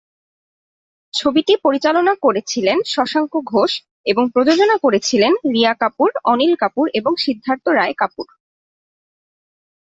ছবিটি পরিচালনা করেছিলেন শশাঙ্ক ঘোষ এবং প্রযোজনা করেছিলেন রিয়া কাপুর, অনিল কাপুর এবং সিদ্ধার্থ রায় কাপুর।